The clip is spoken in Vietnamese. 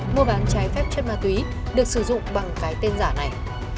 mua bán trái phép chất ma túy được sử dụng bằng cái tên giả này